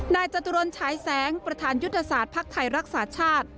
จตุรนฉายแสงประธานยุทธศาสตร์ภักดิ์ไทยรักษาชาติ